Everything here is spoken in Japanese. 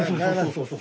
そうそう。